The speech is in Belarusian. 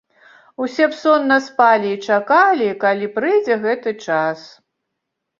Усе б сонна спалі і чакалі, калі прыйдзе гэты час.